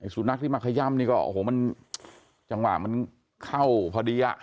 สูนักที่มาขย่ำนี่ก็จังหวะมันเข้าพอดี